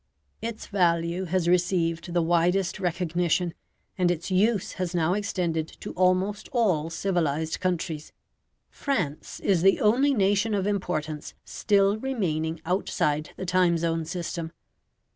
Its value has received the widest recognition, and its use has now extended to almost all civilized countries France is the only nation of importance still remaining outside the time zone system.